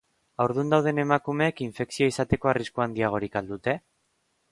Haurdun dauden emakumeek infekzioa izateko arrisku handiagorik al dute?